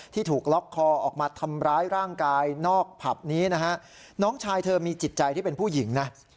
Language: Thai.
ถูกล็อกคอออกมาทำร้ายร่างกายนอกผับนี้นะฮะน้องชายเธอมีจิตใจที่เป็นผู้หญิงนะ